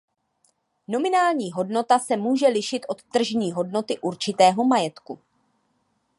Nominální hodnota se může lišit od tržní hodnoty určitého majetku.